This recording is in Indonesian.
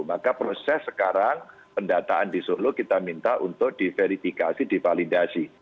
maka proses sekarang pendataan di solo kita minta untuk diverifikasi divalidasi